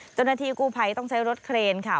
จนทีกู้ไพต้องใช้รถเครนค่ะ